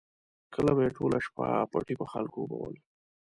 کله به یې ټوله شپه پټي په خلکو اوبول.